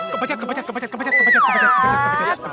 kebacat kebacat kebacat kebacat kebacat kebacat